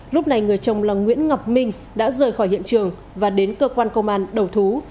lúc này người chồng là nguyễn ngọc minh đã rời khỏi hiện trường và đến cơ quan công an đầu thú